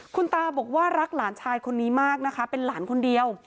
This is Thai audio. คุณตาบอกว่ารักหลานชายคนนี้มากนะคะเป็นหลานคนเดียว